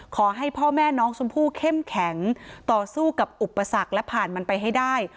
ขอให้พ่อแม่น้องชมพู่เข้มแข็งต่อสู้กับอุปสรรคและผ่านมันไปให้ได้